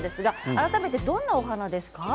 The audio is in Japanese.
改めてどんな花ですか？